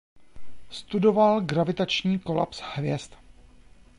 Studoval gravitačního kolaps hvězd.